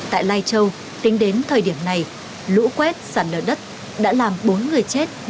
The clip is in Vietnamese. tại lai châu tính đến thời điểm này lũ quét sạt lở đất đã làm bốn người chết